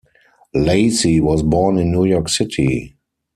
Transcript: Lacy was born in New York City.